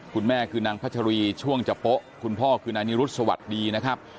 คุณแม่คือนางพัชรีช่วงจะโป๊ะคุณพ่อคือนายนิรุธสวัสดีนะครับ